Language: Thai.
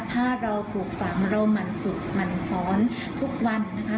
ถ้าเราปลูกฝังเราหมั่นฝึกหมั่นสอนทุกวันนะคะ